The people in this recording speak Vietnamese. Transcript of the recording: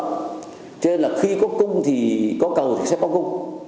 cho nên là khi có cung thì có cầu thì sẽ có cung